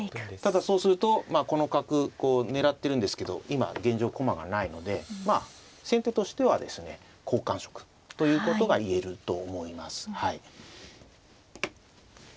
ただそうするとこの角狙ってるんですけど今現状駒がないので先手としてはですね好感触ということが言えると思いますはい。